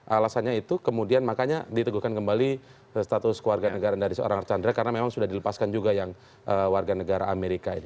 alasannya itu kemudian makanya diteguhkan kembali status keluarga negara dari seorang archandra karena memang sudah dilepaskan juga yang warga negara amerika ini